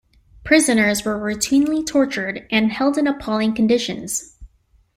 Prisoners were routinely tortured and held in appalling conditions.